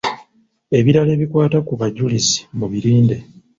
Ebirala ebikwata ku bajulizi mubirinde.